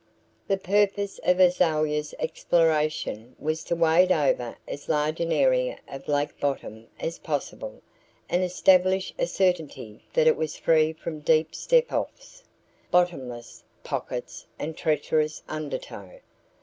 The purpose of Azalia's exploration was to wade over as large an area of lake bottom as possible and establish a certainty that it was free from deep step offs, "bottomless" pockets and treacherous undertow.